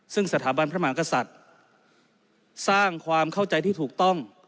ซึ่งสถาบันพระมหากษัตริย์สร้างความเข้าใจที่ถูกต้อง